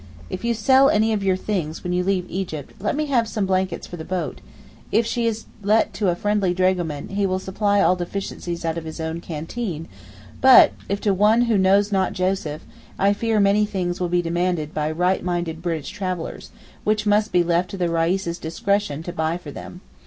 If you sell any of your things when you leave Egypt let me have some blankets for the boat; if she is let to a friendly dragoman he will supply all deficiencies out of his own canteen, but if to one 'who knows not Joseph' I fear many things will be demanded by rightminded British travellers, which must be left to the Reis's discretion to buy for them.